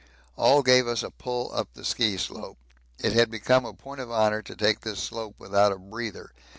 All gave us a pull up the ski slope; it had become a point of honour to take this slope without a 'breather.'